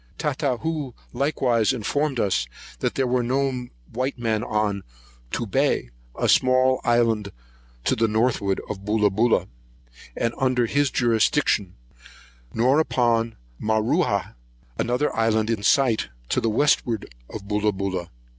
Tatahu likewise informed us there were no white men on Tubai, a small island to the northward of Bolobola, and under his jurisdiction; nor upon Mauruah, another island in sight, and to the westward of Bolobola.